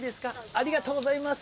ありがとうございます。